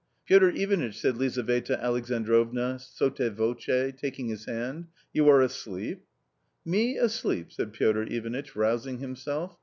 " Piotr Ivanitch !" said Lizaveta Alexandrovna sotte voce, taking his hand, " you are asleep ?"" Me asleep !" said Piotr Ivanitch, rousing himself.